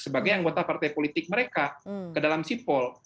sebagai anggota partai politik mereka ke dalam sipol